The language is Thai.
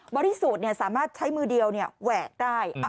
บอดิสูตรสามารถใช้มือเดียวเนี่ยแหวะได้